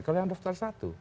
kalau yang daftar satu